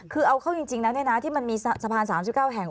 คือเอาเข้าจริงแล้วที่มันมีสะพาน๓๙แห่ง